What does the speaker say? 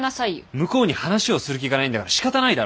向こうに話をする気がないんだからしかたないだろ。